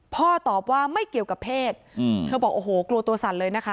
ตอบว่าไม่เกี่ยวกับเพศเธอบอกโอ้โหกลัวตัวสั่นเลยนะคะ